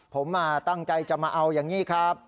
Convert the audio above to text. ผมตั้งใจจะมาเอาอย่างนี้ครับ